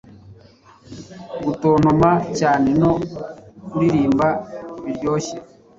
Gutontoma cyane no kuririmba biryoshye;